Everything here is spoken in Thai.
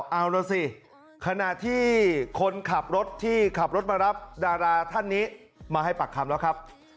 เอาล่ะสิขณะที่คนขับรถที่ขับรถมารับดาราท่านนี้มาให้ปากคำแล้วครับ